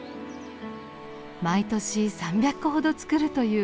毎年３００個ほど作るというよしさん。